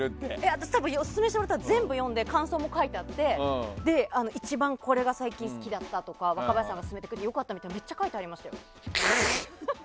私、多分オススメしてもらったの全部読んで感想も書いてあって一番これが最近好きだったとか若林さんが薦めてくれたってめっちゃ書いてありますよ。